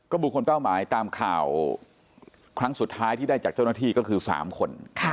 บุคคลเป้าหมายตามข่าวครั้งสุดท้ายที่ได้จากเจ้าหน้าที่ก็คือ๓คน